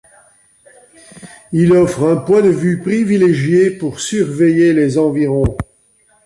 Il offre un point de vue privilégié pour surveiller les environs.